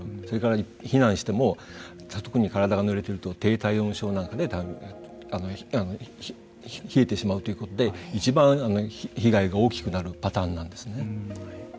それから、避難しても特に体がぬれていると低体温症なんかで冷えてしまうということでいちばん被害が大きくなるパターンなんですね。